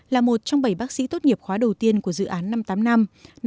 là một trong bảy bác sĩ tốt nghiệp khóa đầu tiên của dự án năm tám năm năm hai nghìn một mươi bảy